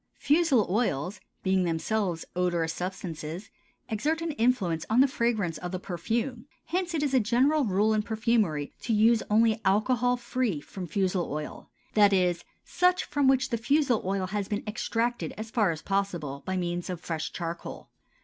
Fusel oils, being themselves odorous substances, exert an influence on the fragrance of the perfume; hence it is a general rule in perfumery to use only alcohol free from fusel oil; that is, such from which the fusel oil has been extracted as far as possible by means of fresh charcoal.